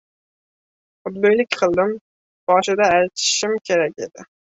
Xudbinlik qildim. Boshida aytishim kerak edi.